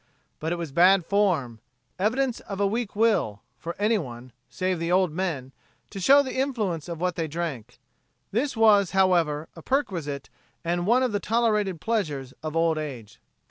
But it was bad form evidence of a weak will for anyone, save the old men, to show the influence of what they drank. This was, however, a perquisite and one of the tolerated pleasures of old age.